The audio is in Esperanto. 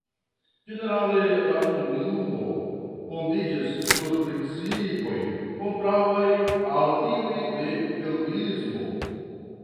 Ĝenerale la Komunumo fondiĝis sur principoj kontraŭaj al tiuj de feŭdismo.